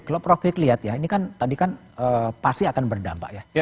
kalau prof hik lihat ya ini kan tadi kan pasti akan berdampak ya